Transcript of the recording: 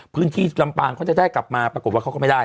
พื้นที่ลำปางเขาจะได้กลับมาปรากฏว่าเขาก็ไม่ได้